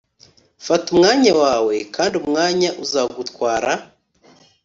fata umwanya wawe kandi umwanya uzagutwara